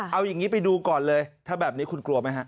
เอาอย่างนี้ไปดูก่อนเลยถ้าแบบนี้คุณกลัวไหมฮะ